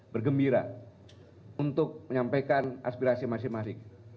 bergembira untuk menyampaikan aspirasi masing masing